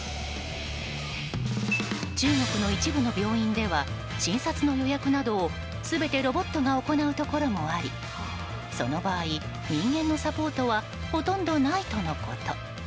中国の一部の病院では診察の予約などを全てロボットが行うところもありその場合、人間のサポートはほとんどないとのこと。